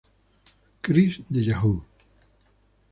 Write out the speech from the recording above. Chris de Yahoo!